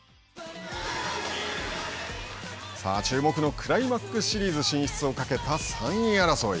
さあ注目のクライマックスシリーズ進出をかけた３位争い。